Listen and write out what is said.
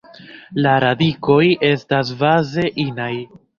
La radikoj estas baze inaj.